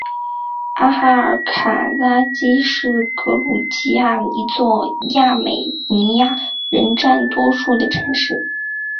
阿哈尔卡拉基是格鲁吉亚一座亚美尼亚人占多数的城市。